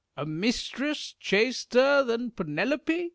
A mistress chaster than Penelope